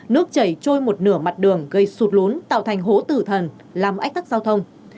nước chảy trôi một nửa mặt đường gây sụt lún tạo thành hố tử thần làm ách tắc giao thông